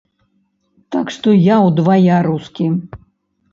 Так што я ўдвая рускі.